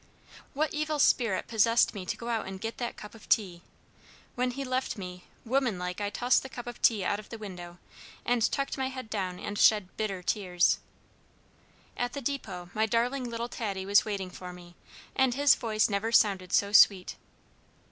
What evil spirit possessed me to go out and get that cup of tea? When he left me, woman like I tossed the cup of tea out of the window, and tucked my head down and shed bitter tears. At the depot my darling little Taddie was waiting for me, and his voice never sounded so sweet.